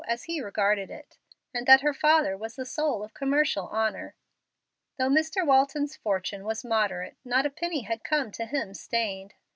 as he regarded it, and that her father was the soul of commercial honor. Though Mr. Walton's fortune was moderate, not a penny had come to him stained.